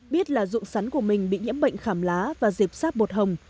biết là ruộng sắn của mình bị nhiễm bệnh khảm lá và dịp sáp bột hồng